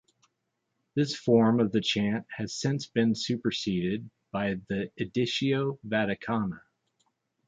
This form of the chant has since been superseded by the Editio Vaticana.